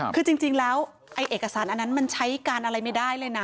คือจริงแล้วไอ้เอกสารอันนั้นมันใช้การอะไรไม่ได้เลยนะ